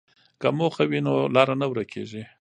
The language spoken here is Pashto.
که موخه وي نو لاره نه ورکېږي.